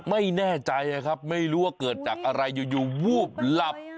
ไม่แน่ใจครับไม่รู้ว่าเกิดจากอะไรอยู่วูบหลับ